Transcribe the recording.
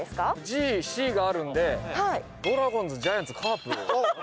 「Ｇ」「Ｃ」があるんでドラゴンズジャイアンツカープ。